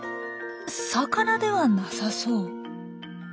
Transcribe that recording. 魚ではなさそう。